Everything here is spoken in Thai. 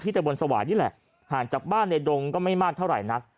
ตะบนสวายนี่แหละห่างจากบ้านในดงก็ไม่มากเท่าไหร่นัก